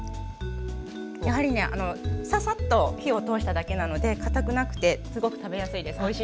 やはりねササッと火を通しただけなので堅くなくてすごく食べやすいです。